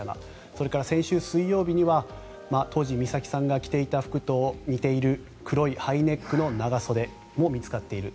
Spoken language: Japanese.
それから先週水曜日には当時、美咲さんが着ていた服と似ている黒いハイネックの長袖も見つかっている。